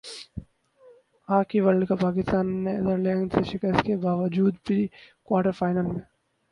hockey world cup Pakistan Netherlands سے شکست کے باوجود پری کوارٹر فائنل میں